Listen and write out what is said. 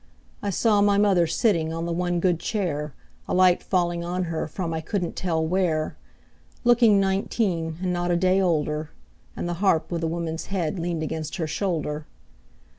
I saw my mother sitting On the one good chair, A light falling on her From I couldn't tell where, Looking nineteen, And not a day older, And the harp with a woman's head Leaned against her shoulder.